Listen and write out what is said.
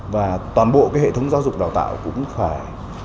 và toàn bộ cái hệ thống giáo dục đào tạo cũng phải